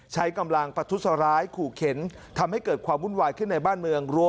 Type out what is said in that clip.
ใช้กำลังประทุษร้ายขู่เข็นทำให้เกิดความวุ่นวายขึ้นในบ้านเมือง